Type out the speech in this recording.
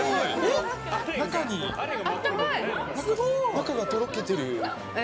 中がとろけてる。